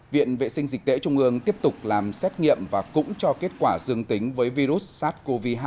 viện vệ sinh dịch tễ trung ương tiếp tục làm xét nghiệm và cũng cho kết quả dương tính với virus sars cov hai